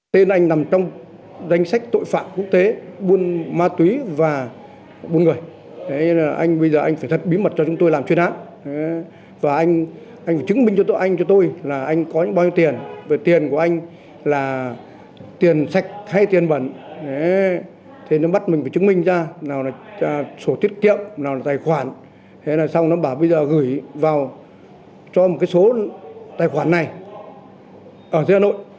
tài khoản thế là xong nó bảo bây giờ gửi vào cho một cái số tài khoản này ở dưới hà nội